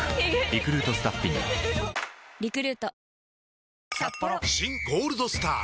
本麒麟「新ゴールドスター」！